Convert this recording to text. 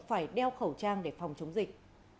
phải đeo khẩu trang để phòng chống dịch